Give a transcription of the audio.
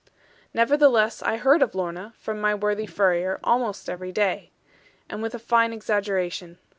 Nevertheless I heard of Lorna, from my worthy furrier, almost every day, and with a fine exaggeration.